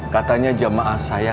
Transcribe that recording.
katanya jamaah saya